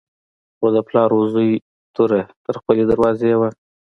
خو د پلار و زوی توره تر خپلې دروازې وه.